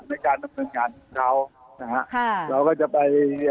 ในการทำงานของเขาเราก็จะไป